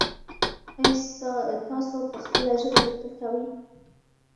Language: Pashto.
ایا تاسو په خپله ژبه لیکل کوئ؟